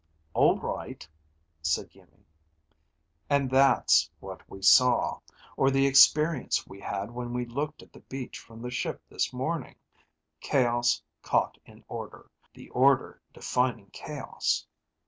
"All right," said Iimmi. "And that's what we saw, or the experience we had when we looked at the beach from the ship this morning; chaos caught in order, the order defining chaos."